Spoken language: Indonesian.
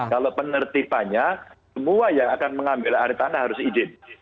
kalau penertibannya semua yang akan mengambil air tanah harus izin